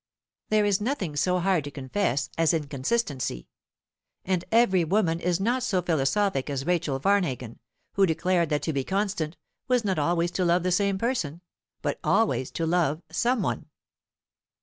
There is nothing so hard to confess as inconstancy; and every woman is not so philosophic as Rahel Varnhagen, who declared that to be constant was not always to love the same person, but always to love some one.